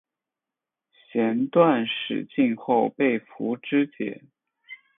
弦断矢尽后被俘支解。